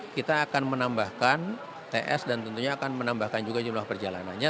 kita akan menambahkan ts dan tentunya akan menambahkan juga jumlah perjalanannya